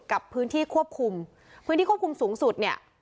กับพื้นที่ควบคุมพื้นที่ควบคุมสูงสุดเนี่ย